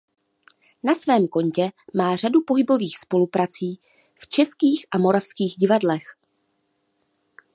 Na svém kontě má řadu pohybových spoluprací v českých a moravských divadlech.